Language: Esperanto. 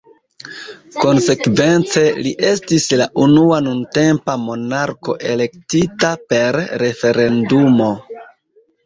Konsekvence, li estis la unua nuntempa monarko elektita per referendumo.